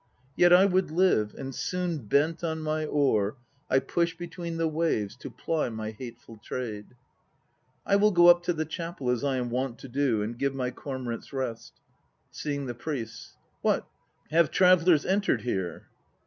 Yet I would live, and soon Bent on my oar I push between the waves To ply my hateful trade. I will go up to the chapel as I am wont to do, and give my cormorants rest. (Seeing the PRIESTS.) What, have travellers entered here?